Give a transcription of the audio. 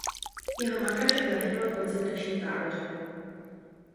Jeho matka však zahynula v koncentračním táboře.